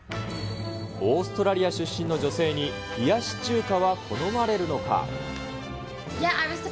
オーストラリア出身の女性に冷やし中華は好まれるのか。